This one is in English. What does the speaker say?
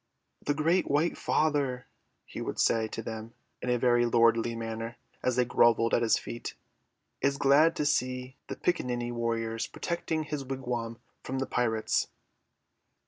"The great white father," he would say to them in a very lordly manner, as they grovelled at his feet, "is glad to see the Piccaninny warriors protecting his wigwam from the pirates."